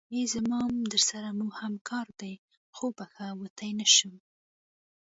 ای زما ام درسره موهم کار دی خو وبښه وتی نشم.